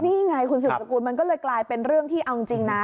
นี่ไงคุณสืบสกุลมันก็เลยกลายเป็นเรื่องที่เอาจริงนะ